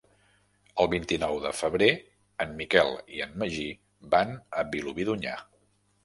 El vint-i-nou de febrer en Miquel i en Magí van a Vilobí d'Onyar.